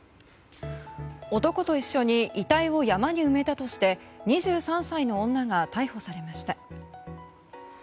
男と一緒に遺体を山に埋めたとして２３歳の女が逮捕されました。